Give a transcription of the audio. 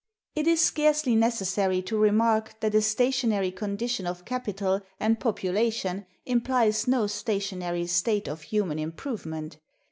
It is scarcely necessary to remark that a stationary condition of capital and population implies no stationary state of human improvement.